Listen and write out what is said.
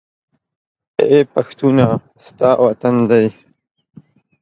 اې پښتونه! ستا وطن دى